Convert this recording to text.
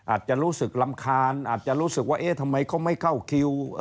อาจจะรู้สึกรำคาญอาจจะรู้สึกว่าเอ๊ะทำไมเขาไม่เข้าคิว